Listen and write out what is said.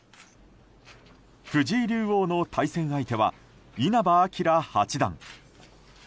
藤井竜王の対戦相手は稲葉陽八段。